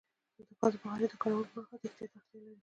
د ګازو بخاري د کارولو پر مهال د احتیاط اړتیا لري.